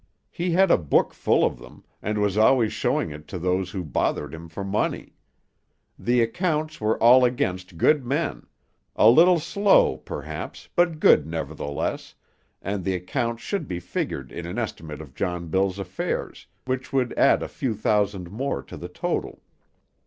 He had a book full of them, and was always showing it to those who bothered him for money. The accounts were all against good men; a little slow, perhaps, but good, nevertheless, and the accounts should be figured in an estimate of John Bill's affairs, which would add a few thousands more to the total.